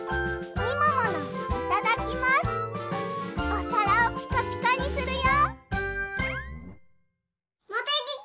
おさらをピカピカにするよ！